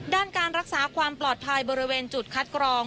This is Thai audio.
ด้านการรักษาความปลอดภัยบริเวณจุดคัดกรอง